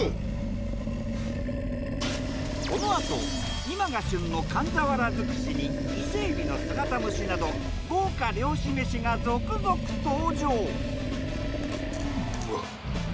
このあと今が旬の寒ザワラづくしに伊勢海老の姿蒸しなど豪華漁師めしが続々登場！